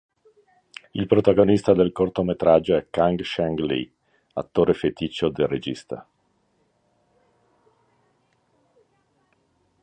Il protagonista del cortometraggio è Kang-Sheng Lee, attore feticcio del regista.